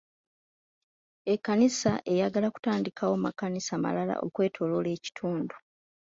Ekkanisa eyagala kutandikawo makanisa malala okwetooloola ekitundu..